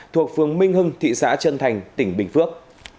thuộc phường minh hưng thị xã trân thành tỉnh bình phước